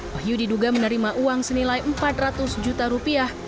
wahyu diduga menerima uang senilai empat ratus juta rupiah